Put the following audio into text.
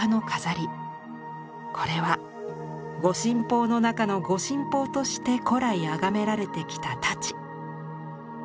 これは「御神宝の中の御神宝」として古来崇められてきた太刀。